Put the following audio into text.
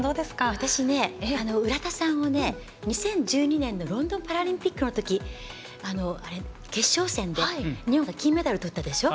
私、浦田さんを２０１２年のロンドンパラリンピックのとき決勝戦で、日本が金メダルとったでしょ。